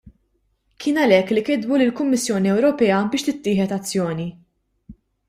Kien għalhekk li kitbu lill-Kummissjoni Ewropea biex tittieħed azzjoni.